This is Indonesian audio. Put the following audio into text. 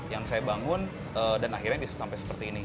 yang saya bangun dan akhirnya bisa sampai seperti ini